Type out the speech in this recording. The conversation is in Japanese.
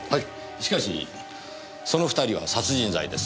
しかしその２人は殺人罪です。